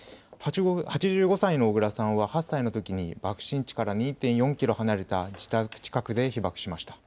８５歳のおぐらさんは８歳のときに爆心地から２．４キロ離れた自宅近くで被爆しました。